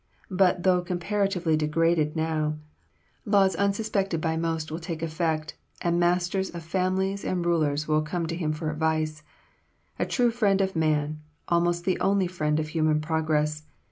But though comparatively disregarded now, laws unsuspected by most will take effect, and masters of families and rulers will come to him for advice. A true friend of man; almost the only friend of human progress.